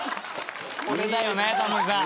これだよねタモリさん。